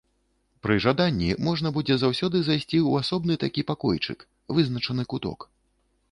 Пры жаданні можна будзе заўсёды зайсці ў асобны такі пакойчык, вызначаны куток.